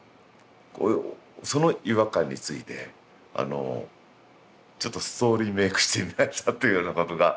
その違和感についてあのちょっとストーリーメイクしてみましたっていうようなことが。